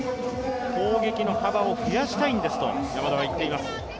攻撃の幅を増やしたいんですと山田は言っています。